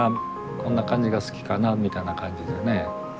こんな感じが好きかなみたいな感じですね。